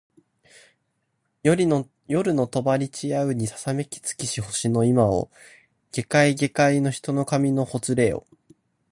夜の帳ちやうにささめき尽きし星の今を下界げかいの人の髪のほつれよ